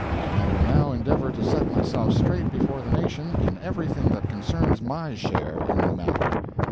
I will now endeavor to set myself straight before the nation in everything that concerns my share in the matter.